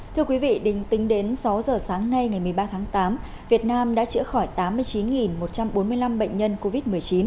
thưa quý vị đình tính đến sáu giờ sáng nay ngày một mươi ba tháng tám việt nam đã chữa khỏi tám mươi chín một trăm bốn mươi năm bệnh nhân covid một mươi chín